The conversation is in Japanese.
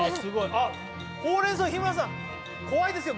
ほうれんそう日村さん怖いですよ